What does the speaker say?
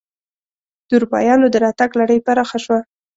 د اروپایانو دراتګ لړۍ پراخه شوه.